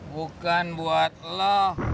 bukan buat lo